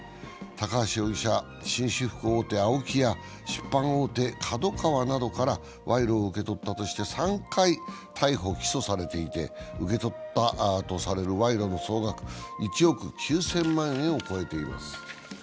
高橋容疑者は紳士服大手・ＡＯＫＩや出版大手・ＫＡＤＯＫＡＷＡから賄賂を受け取ったとして３回、逮捕・起訴されていて受け取ったとされる賄賂の総額１億９０００万円を超えています。